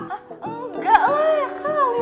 hah engga lah ya kali